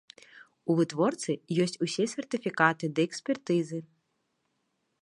У вытворцы ёсць усе сертыфікаты ды экспертызы.